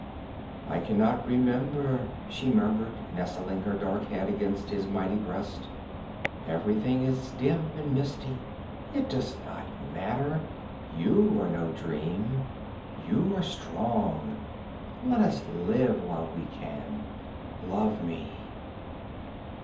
'I can not remember,' she murmured, nestling her dark head against his mighty breast. 'Everything is dim and misty. It does not matter. You are no dream. You are strong. Let us live while we can. Love me!'